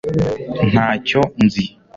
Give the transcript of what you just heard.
ntacyo nzi